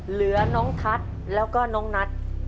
เหลือน้องทัศน์แล้วก็น้องนัท